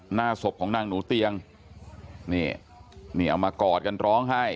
หน้าศพของนางหนูเตียงนี่นี่เอามากอดกันร้องไห้